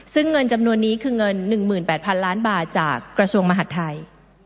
ซึ่งเงินจำนวนนี้คือเงิน๑๘๐๐๐ล้านบาทจากกระทรวงมหาดไทย